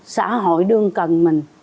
xã hội đương cần mình